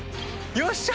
よっしゃ。